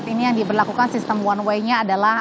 ini yang diberlakukan sistem one way nya adalah